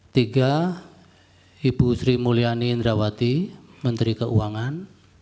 tiga ibu sri mulyani indrawati menteri keuangan